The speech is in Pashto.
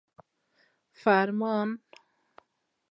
فرمان